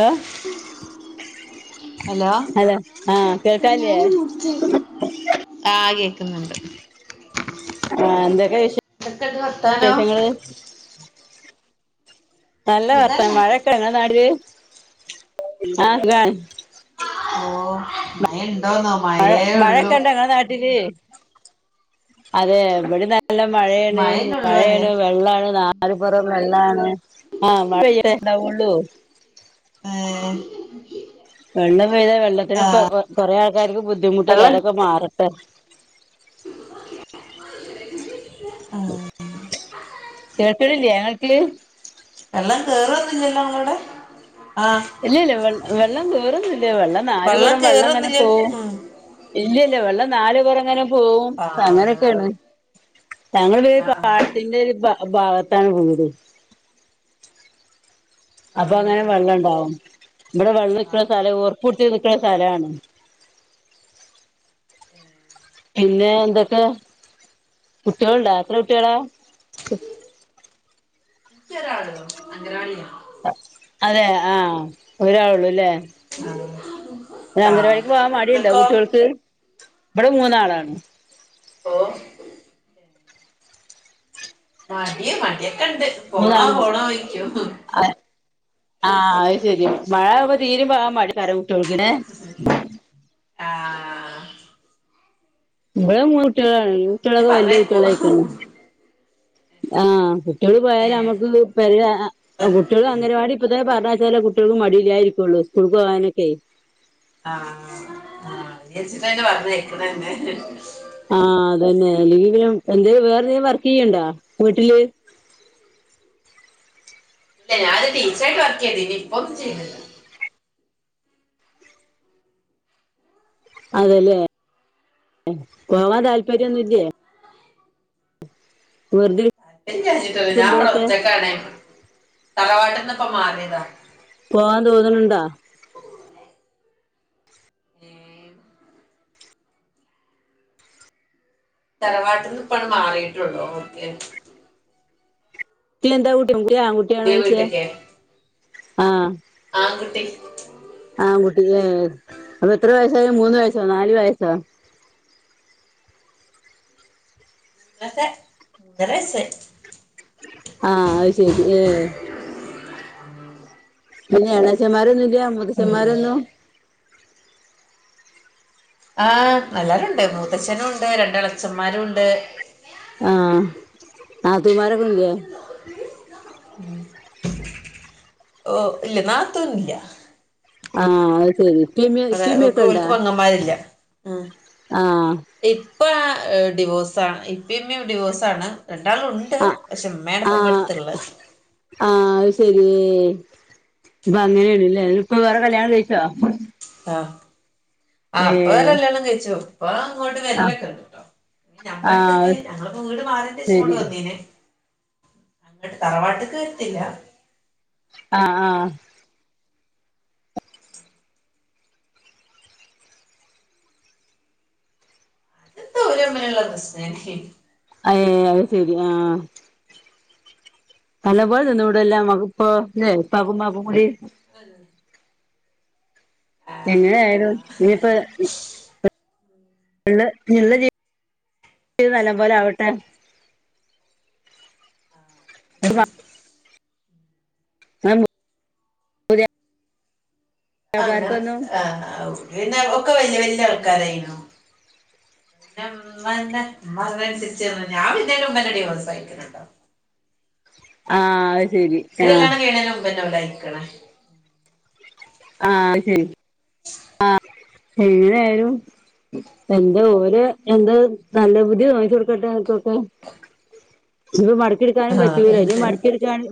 ഏഹ് hello ആഹ് കേക്കാല്ലേ ഞാന് മുറിച്ച് ആഹ് കേക്ക്ന്ന്ണ്ട് ആ എന്തൊക്കെ വിശേ എന്തൊക്കെണ്ട് വർത്താനോ ശേഷങ്ങള്ഷേ ശങ്ങൾ നല്ല വർത്തനം സുഖല്ലേ മഴ നിങ്ങളുടെ നാട് [unintelligible] ഓഹ് മയണ്ടോന്നോ മഴ മഴക്കെ ഇണ്ടോ ങ്ങളെ നാട്ടില് അതേ വടെ നല്ല മഴേണ് മഴന്നെ ഉള്ളു പറയാ മഴേണ് വെള്ളാണ് നാ നാല് പൊറോം വെള്ളാണ് ആഹ് മഴ പെയ്യുബം ഉണ്ടാവുള്ളു [inaudible] വെള്ളം പെയ്താ വെള്ളത്തിന് ഇപ്പ ആഹ് കൊറേ ആൾക്കാർക്ക് ബുദ്ധിമുട്ടല്ലേ വെള്ളം അതൊക്കെ മാറട്ടെ. കേൾക്ക്ണില്ലേ ങ്ങക്ക് വെള്ളം കേറൊന്നുല്ലല്ലോ ങ്ങളോടെ ഇല്ലല്ല വെ വെള്ളം കേറൊന്നുല്ല വെള്ളം നാല് പുറം വെള്ളം ങ്ങനെ കേറൊന്നില്ലല്ലോ പോവും ഉം ഇല്ലല്ല വെള്ളം നാല് പൊറം ങ്ങനെ പോവും ആഹ് അങ്ങനന്നെ അങ്ങനെക്കേണ് ഞങ്ങടെ വീട് ആഹ് പാടത്തിന്റെ ഒരു ഭാഗത്താണ് വീട് ആഹ് ആഹ് അപ്പൊങ്ങനെ വെള്ളണ്ടാവും ഭടെ വെള്ളം ക്കണ സ്ഥലം ഓർപ്പ്ട്ച്ച് നിക്ക്ണെ സ്ഥലാണ്. പിന്നെ ന്തൊക്കെ കുട്ട്യോള്ണ്ടാ എത്ര കുട്ട്യാളാ ക്കൊരാളെള്ളൂ അങ്കനവാടില അതെ ആഹ് ഒരാളുള്ളൂല്ലേ. ആഹ് ആഹ് അംഗനവാടിക്ക് പോവാൻ മടിണ്ടോ നിങ്ങക്കോ കുട്ട്യോൾക്ക് ഇബടെ മൂന്നാളാണ് ഓഹ് മടിയ മടിയൊക്കെണ്ട് പോണോ പോണോ ചോയ്ക്കും. അ ആഹ് അയ്ശേരി മഴാകുമ്പോ തീരേ പോവാൻ മടിയെയ്കാരം [inaudible] ആഹ് ഇബടെ മൂന്നുട്ട്യാളാണ് ഇത് കുട്ട്യേളൊക്കെ വല്യ പറഞ്ഞേക്കൂ കുട്ട്യേളായിക്ക്ണ് ആഹ് എവ്ടെ പോയാലും ഏഹ് അമ്മക്ക് പെരീ ആഹ് കുട്ട്യോൾ അങ്ങനവാടി ഇപ്പത്തെന്നെ പറഞ്ഞയച്ചാലെ കുട്ട്യോൾക് മടില്ലായിരിക്കുള്ളൂ. ഇസ്കൂൾക്ക് പോകാനൊക്കെ ആഹ് അത് വിചാരിച്ചിട്ടെന്നെ പറഞ്ഞയക്ക്ണെന്നെ ആഹ് അതന്നെ ലീവിലും എന്തെലും വേറെന്തെലും വർക്ക് ചെയ്യ്ണ്ടാ വീട്ടില് ഇല്ല ഞാനൊരു ടീച്ചറായിട്ട് വർക്ക് ചെയ്തു ഇനിപ്പൊന്നും ചെയ്ന്നില്ല. അതേലേ പോവാൻ താൽപര്യന്നുല്ല്യ? വെറുതെ എത്തും വിചാരിചിട്ടല്ല ഞാവടെ ഇരിക്കുമ്പോഴൊക്കെ ഒറ്റക്കാണ് തറവാട്ട്ന്ന്പ്പം മാറിയതാ. പോവാൻ തോന്ന്ണ് ണ്ടോ ഏഹ് തലവാട്ട്ന്ന് ഇപ്പണ്ട് മാറീട്ടുള്ളൂ ഓക്കേ ഇ എന്താ കുട്ടി ആങ്കുട്ടി ആണോ പുതിയ ചോയിച്ചേ? വീട്ടിക്കേ ആഹ് ആങ്കുട്ടി ആങ്കുട്ടിയാ [unintelligible] അപ്പെത്ര വയസ്സായെ മൂന്ന് വയസ്സോ, നാല് വയസ്സോ? [unintelligible] ഒന്നരയ്സ്സായ് ആഹാ അഹ്ശെരി ഏഹ് പിന്നെ എണാച്ചമാരൊന്നുല്ല്യ മുതച്ചമ്മാരൊന്നും? ആഹാ എല്ലാരുണ്ട് മൂത്തച്ഛനൂണ്ട് രണ്ടളച്ചമ്മാരൂണ്ട് ആഹ് നാതൂമാരൊന്നുല്ല്യേ? ഹോ ഇല്ല്യ നാത്തൂനില്ല്യ ആഹ അഹ്‌സെരി ഇപ്പിമ്യോ അതെ ഓക്ക് ഇപ്പിമ്മിക്കെണ്ടോ? ഓൽക്ക് പെങ്ങന്മാരില്ല ആഹാ ഇപ്പാ ഡിവോസാണ് ഇപ്പിമ്മിം ഡിവോസാണ്. രണ്ടാളുംണ്ട് ആഹ് പക്ഷെ ഇമ്മേണ്പ്പം അമ്മളട്ത്ത്ള്ളെ ആഹാ അഹ്സെരീ അപ്പങ്ങനേണ്ലേ ഇപ്പ വേറെകല്യാണം കഴിച്ചോ? ആഹ് ആ ഇപ്പവേറെ ഏഹ് കല്യാണം കഴിച്ചു ഇപ്പാങ്ങോട്ട് ആഹ് വെര്ല്ലൊക്കെണ്ട്ട്ടോ ആഹ് ഞ്ഞമ്മട്ത്ത്ക്ക് അത് ഞങ്ങള്പ്പോ വീട് മാറേന്റേഷം ശരി ഇങ്ങോട്ട് വന്നീന് ഇങ്ങട്ട് തറവാട്ട്ക്ക് വര്ത്തില്ലാ ഹ ഹാ അതെന്തോ ഒരമ്മില്ള്ള പ്രസ്നേനീ അ [unintelligible] അഹ്സെരി ഹാ നല്ല പോലെ നിന്നൂടലേ അമ്മക്ക്പ്പം ല്ലേ? ഇപ്പാക്കുംമ്മാക്കും കൂടി അതെതെ എങ്ങനായാലും ഇഞ്ഞ്പ്പെ [unintelligible] ഇഞ്ഞ്ള്ള ജീവിതം നല്ലപോലാവട്ടെ [inaudible] അങ്ങനെ മാപ്പ്ളാർക്കൊന്നും ആ [unintelligible] പിന്നെ ഒക്കെ വല്യ വല്യ ആൾക്കാരായിണോ? പിന്നമ്മെന്റെ ഇമ്മ [unintelligible] ഞാൻ വെര്നേന്റ് മുമ്പന്നെ ഡിവോസായീണ്ട്ടോ ആ അഹ്സെരി ഇന്റെ കല്യാണം കയ്യിണേന്റെ മുമ്പന്നെ ഓലയ്ക്ക്ണ്. ആഹാ അയ്ശെരി ഉ ആഹാ എങ്ങനായാലും എന്തെ ഓല് എന്താ നല്ല ബുദ്ധി തോന്നിച്ചൊട്ക്കട്ടെ ഓൽക്കൊക്കെ ഇഞ്ഞ്പ്പം മട്ക്കിട്ക്കാനും ആഹ് പറ്റൂലേ ഇഞ്ഞ് അതന്നെ മട്ക്കിട്ക്കാണെ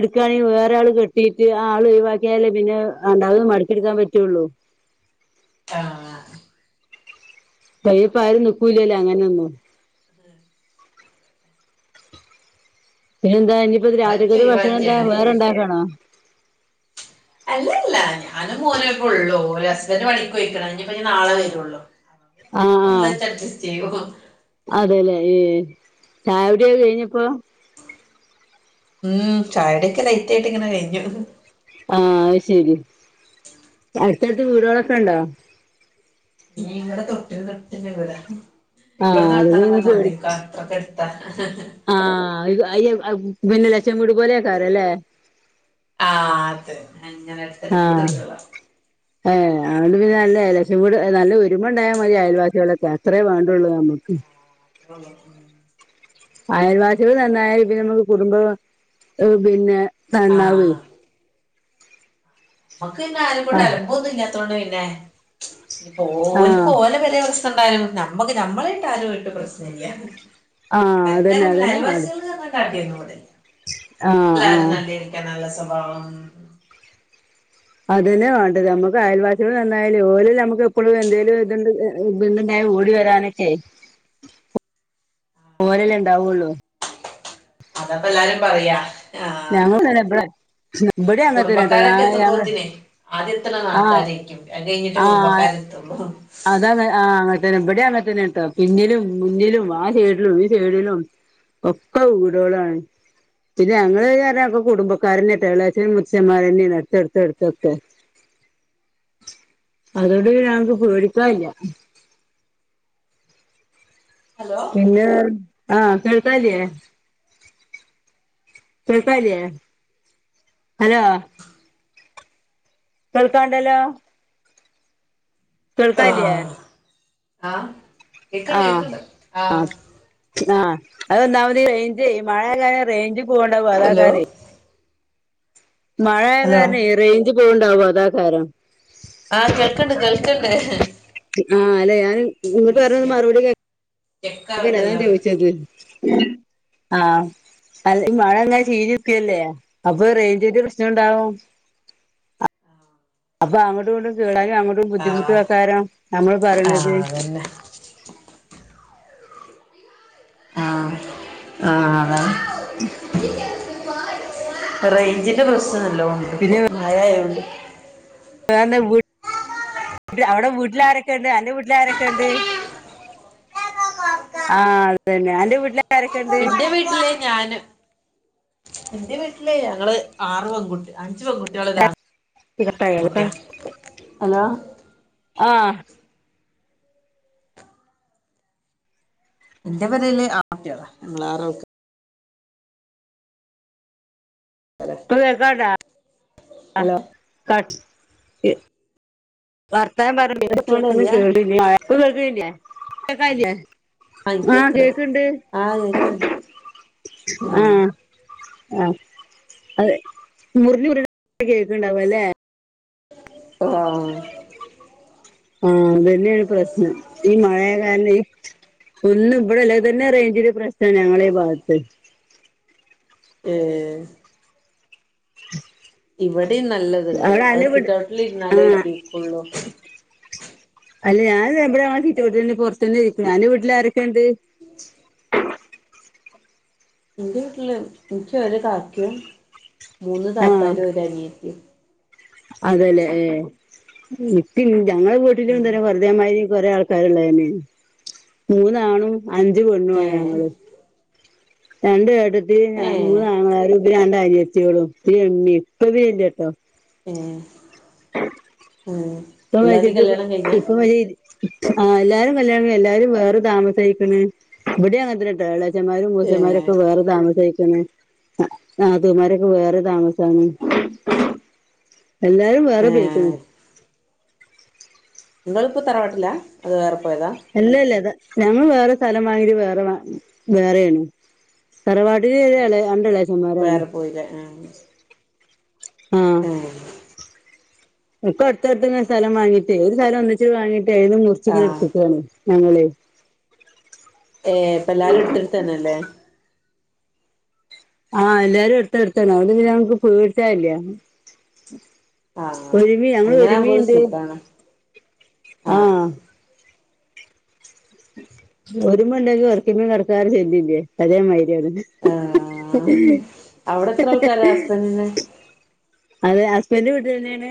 ഇട്കാണെങ്കി വേറാള് കെട്ടിട്ട് ആ ആളൊഴിവാക്കിയാലല്ലേ പിന്നെ രണ്ടാമത് മട്ക്കിട്ക്കാൻ പറ്റൊള്ളു ആഹ അയ്ന്പ്പം ആരും നിക്കൂല്ല്യല്ലോ അങ്ങനൊന്നും പിന്നെന്താ ഇഞ്ഞ്പ്പൊ ഒഴിവാക്കി രാത്രികത്തെ ഭക്ഷണന്താ ഒഴിവാക്കിയാണ് വേറെണ്ടാക്കണോ? അല്ലല്ല ഞാനും മോനെപ്പൊള്ളൂ ഓര് ഹസ്ബൻഡറ് പണിക്കോയ്ക്ക്ണ് ഇഞ്‌പ്പഞ്ഞ് നാളെ വെരൊള്ളു ആഹാ അതെലേ ഏഹ് ചായൊടിക്കെ കഴിഞ്ഞപ്പോ? ഉം ചായടയൊക്കെ ലൈറ്റ് ആയിട്ട് ങ്ങനെ കഴിഞ്ഞു ആഹ് അയ്ശെരി അടുത്തടുത്ത് വീടുകളൊക്കെ ഉണ്ടോ [unintelligible] ആഹ് അതോണ്ട് പേടി തോട്ടെട്ത്ത ആഹ് അയ്യ പിന്നെ ലച്ചമൂടി പോലെയക്കാരം അല്ലേ ആഹ് അത് അങ്ങനെ അടുത്തടുത്ത് ആഹ് വീടുകളാ ഏഹ് ആതോണ്ട് പിന്നെ നല്ല ലക്ഷം കൂട് നല്ല ഒരുമ ഉണ്ടായാ മതി അയൽവാസികളൊക്കെ അത്രേ വേണ്ടുള്ളൂ നമ്മുക്ക് [inaudible] ആ അയൽവാസിക നന്നായാല പിന്നെ നമുക്ക് കുടുംബ പിന്നെ നന്നാവേ ആഹ് നമ്മുക്ക് പിന്നെ ആരും കൊണ്ട് ആഹ് അലംബംന്നും ഇല്ലാത്തോണ്ട് പിന്നെ ഇനി പോ ഓല്ക് ആഹ് ഓലെ വരെ അവ സ്ഥ ണ്ടായാലും നമ്മക്ക് നമ്മളാആയിട്ട് പ്രശ്നല്ല ആഹ് അതന്നെ വരക്കാരല്ല അതന്നെ വേണ്ടേ അയൽവാസികൾ പറഞ്ഞാൽ [unintelligible] ആഹ് എല്ലാരും ആഹ് നല്ലരിക്കാൻ നല്ല സ്വഭാവം അതന്നെ വേണ്ടത് നമുക്ക് അയൽവാസികൾ നന്നായാലേ ഓലും നമുക്ക് എപ്പോഴും എന്തേലും ഇതുണ്ട് ണ്ടായ ഓടി വരാനൊക്കെ ഓലല്ലെ ഉണ്ടാവുള്ളു അതപ്പ എല്ലാരും പറയാ ആഹ് ഞങ്ങൾ ന്നെലെ ബ്ടെ ബ്ടെ കുടുംബക്കാരൊക്കെ എത്തുമ്പോത്തിനെ ആദ്യം എത്ത്ണെ ആഹ് നാട്ടാരെക്കും അയ്കഴിഞ്ഞിട്ട് കുടുംബക്കാർ എത്തുള്ളൂ ആഹ് അങ്ങനെ തന്നെ വിടെ അങ്ങെ തന്നെ കേട്ടോ പിന്നിലും മുന്നിലും ആഹ് സൈഡിലും ഈ സൈഡിലും ഒക്കെ വീടോളാണ് പിന്നെ ഞങ്ങള്ക്കെ കുടുംബക്കാരനെ തന്നെയാണ് ഇളച്ചനും മൂത്തച്ഛന്മാരും ഒക്കെ തന്നെ അടുത്തടുത്ത അടുത്തൊക്കെ അതോണ്ട് ഞങ്ങക്ക് പേടിക്കാനില്ല ഹലോ പിന്നെ ആഹ് കേൾക്കല്ലെ കേൾക്കല്ലേ ഹലോ കേൾക്കാണ്ടല്ലോ കേൾക്കാല്ലേ ആഹ് ആഹ് ആഹ് ആഹ് ആഹ് അതൊന്നാമതി റേഞ്ച് മഴയ റേഞ്ച് പോവണ്ടാവ ഹലോ അതാക്കാരെ മഴയ ഹലോ കാരണം റേഞ്ച് പോവണ്ടാവോ അതാകാരം ആഹ് കേൾക്കണ്ട് കേൾക്കണ്ട് ആഹ് അല്ലെ ഞാൻ ഇതിനു പറഞ്ഞ മറുപടി കേൾക്ക അത് തന്നെ അതാ ഞാൻ ചെക്കാവുണ്ടല്ലോ ചോദിച്ചത് ആഹ് അല്ല ഈ മഴ അങ്ങനെ ചീഞ്ഞ നിക്കല്ലേ അപ്പൊ റേഞ്ച് ഒരു പ്രശ്നംണ്ടാവും അപ്പൊ അങ്ങോട്ടുംണ്ടും കേളാനും അങ്ങോട്ടും ആ ബുദ്ധിമുട്ട് ആക്കാരം നമ്മള് ആ പറയണത് അതന്നെ ആഹ് ആഹ് അതാണ് റേയ്ഞ്ചിന്റെ പ്രശ്നം നല്ലൊണ്ട് ഇപ്പോ മഴയതുകൊണ്ട് കാണ്ട് വ് അവിടെ വീട്ടിലാരൊക്കെണ്ട് അന്റെ വീട്ടിലാരൊക്കെണ്ട് ആഹ് അതന്നെ അന്റെ വീട്ടില എന്റെ വീട്ടില ഞാന് എന്റെ വീട്ടില ഞങ്ങള് ആറ് പെൺകുട്ടി അഞ്ച് പെൺകുട്ടിയള് ഒര് ആൺകുട്ടിയ ഹലോ ആഹ് എന്റെ പെരേല് ആട്യയതാ നമ്മൾ ആൾ അതെ [unintelligible] വർത്താനം പറ [unintelligible] കേക്കില്ല്യ കേൾക്കില്ലെ ആ എനിക്ക് ആഹ കേക്ക്ണ്ട് കേക്കണ്ട് ആ കേക്ക്ണ്ട് ഉം ആഹ ആഹ അതെ മുറിഞ്ഞ മുറി കേൾക്കണ്ടാവ അല്ലേ ആഹ ആഹ അതന്നെയ ഒരു പ്രശ്നം ഈ മഴായ കാരനെ ഒന്നും ഇവിടെ അല്ലെതെ തന്നെ റേഞ്ചിന് പ്രശ്ന ഞങ്ങള ഈ ഭാഗത്ത് ഏ [inaudible] ഇവിടെയും നല്ലത്ണ്ട് അവിടെ അത് അന്റെ വീട് ആ സിറ്റൗട്ടിലിരന്നാല് കേക്കുള്ളൂ അല്ല ഞാൻത് എവിടെയൊൻ സിറ്റൗട്ടില് പോസ്റ്റല്ല ക്ക് ഞാൻ വീട്ടിൽ ആരൊക്കെയെ ഉണ്ട് എന്റെ വീട്ടില് എൻക്ക് ഒരു കാക്കയും മൂന്ന് താത്താലും ഒര് അനിയത്തിയു അതെല്ലേ ഇപ്പി ഞങ്ങളെ വീട്ടില് ഇന്തരം പറ അതേമാരീ കൊറെേ ആൾക്കാരണ്ടായിന് മൂന്നാണും അഞ്ച് പെണ്ണു ഏ ഒരങ്ങളെയും രണ്ട് ഏട്ടത്തി ഏ ഞാന് മൂന്നാങ്ങളാരും രണ്ടനിയത്തിയോളും രേമിയേം [unintelligible] ഏ ഉം ഇപ്പൊ എല്ലാരിം വെച്ചിട്ട് ഇപ്പൊ കല്യാണം കഴിഞ്ഞാ ഇപ്പൊ വരേയ് ആഹ എല്ലാരും കല്യാണം എല്ലാരും വേറ താമസയിക്കണ് ഇവിടെ അങ്ങനത്തിനാട്ടോ അച്ച്ചന്മാരും ഏഹ് മൂസന്മാരൊക്കെ വേറെ താമസിക്കുന്നു ആഹാ ത്തുമാരൊക്കെ വേറെ താമസാണ് എല്ലാരും വേറെ ബെയ്ക്ക്ണു ഏഹ് നിങ്ങൾ ഇപ്പോ തറവാട്ടില അത് വേറെ പോയതാ അല്ലെ ലത ഞങ്ങള് വേറെ സ്ഥലം വാങ്ങിട്ട് വേറെ മ വേറെയാണ് തറവാട്ടീല് ഏളെ രണ്ടളേത്തന്മാരാണ് വേറെ പോയില്ലേ ആഹ് ആഹ അ [inaudible] ഇപ്പൊ അടുത്തടുത്തനെ സ്ഥലം വാങ്ങീട്ടെ ഒരു സ്ഥലം ഒന്നിച്ച് വാങ്ങീട്ടെ ഏത് മുറിച്ചിങ്ങന ആഹ് എടുത്തക്ക ആണ് ഞങ്ങളെ ഏ ഇപ്പം എല്ലാരും എടുത്തിടുത്ത് തന്നെ അല്ലേ ആഹ് എല്ലാരും എടുത്ത എടുത്താണ് അതോണ്ട് ഇന്നി ഞങ്ങക്ക് പേടിച്ചയില്ല ആഹ് ഒരുമി ഞങ്ങള് അങ്ങനാവുമ്പോ ഒരു ഒരുമീണ്ട് സുഖാണ് ആഹ ആഹ് ഒരുമ ഉണ്ടെങ്കി ഒലക്കമ്മെ കേടക്ക ചെല്ലില്ലേ അതെ മായിരിയാണ് ആഹാ അവിടെ എത്ര ആൾക്കാരാ ഹുസ്‌ബെൻഡിന് അതെ ഹസ്ബൻഡ വീട്ടില്ന്നെയാണ്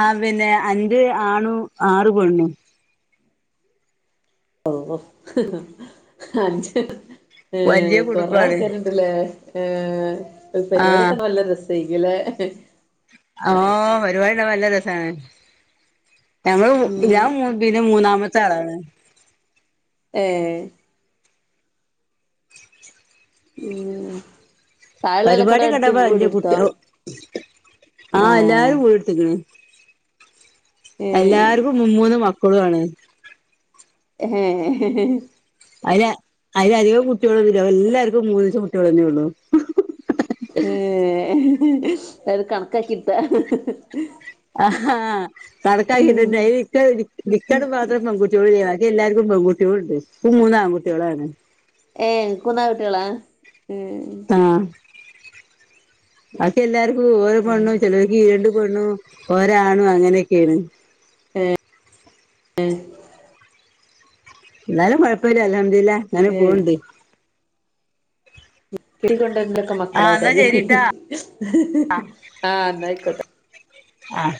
ആ പിന്നെ അഞ്ച് ആണും ആറ് പെണ്ണും ഓഹോ ഒ അഞ്ച് ഏ വല്യ കൊറെ കുടുംബാണ് ആൾക്കാരുണ്ടല്ലേ ആ ഒരു ആഹ് പരിപാടിയൊക്കെ നല്ല രസേയ്ക്കുലേ ഓ ഒരുപാട്ണ്ണ നല്ല രസമാണ് ഞമ്മളു ഉം ഇഞാമൂ പിന്നെ മൂന്നാമത്തെ ആളാണ് ഏ ഉം താഴുള്ളെല്ലാക്ക് എടുത്ത് പരിപാടിയൊക്കെണ്ടാവുമ്പോ വീടെടുത്തോ ആഹ എല്ലാരും വീട്ടക്കണ് ഏ എല്ലാർക്കും മുമ്മൂന്ന് മക്കളു ആണ് എഹ അയിന് അയിനധികവും കുട്ടികളൊന്നുല്ല എല്ലാവർക്കും മൂന്നച്ച് കുട്ടിളൊന്നെ ഉള്ളൂ ഏ അത് കണക്കാക്കിടത്തെ ആഹ് ആഹാ കണക്കാക്കിട്ടെന്നേ ഇക്കാന് മാത്രം പെൺകുട്ട്യോള് ഇല്ല ഇത് എല്ലാർക്കും പെങ്കുട്യോൾ ഉണ്ട്‌ ക്ക് മൂന്നു ആൺകുട്ട്യോളാണ് ഏഹ ക്ക് ന്നു ആൺകുട്ടിളാ ഏ ആഹ ബാക്കി എല്ലാർക്കും ഉ ഓരോ പെണ്ണു ചെലവി കീ രണ്ട് പെണ്ണു ഒരാണു അങ്ങനെയെക്കെയാണ് എഹ ഏ എന്നാലും കൊഴപ്പല്ലില്ല അൽഹമദ്ല്ല ഞാനും ഏ പോവണ്ട് കിടിക കൊണ്ടന്റെക്കെ ആഹ് എന്നാ മക്കളായച്ചതി ശരിട്ടാ ആഹ് ന്നായിക്കോട്ടെ ആഹ്